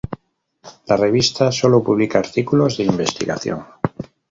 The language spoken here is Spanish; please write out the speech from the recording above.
La revista solo publica artículos de investigación.